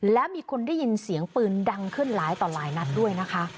แล้วมีคนได้ยินเสียงปืนดังขึ้นหลายต่อหลายนัดด้วยนะคะ